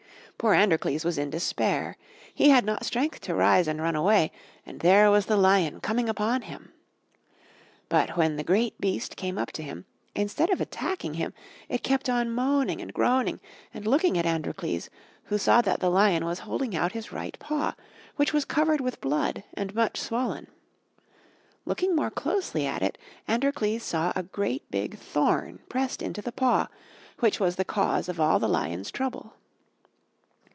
Poor Androcles was in despair; he had not strength to rise and run away, and there was the lion coming upon him. But when the great beast came up to him instead of attacking him it kept on moaning and groaning and looking at Androcles, who saw that the lion was holding out his right paw, which was covered with blood and much swollen. Looking more closely at it Androcles saw a great big thorn pressed into the paw, which was the cause of all the lion's trouble.